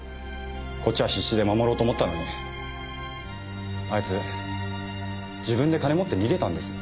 こっちは必死で守ろうと思ったのにあいつ自分で金を持って逃げたんです。